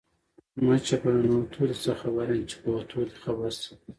ـ مچه په نتو دې څه خبر يم ،چې په وتو دې خبر شم.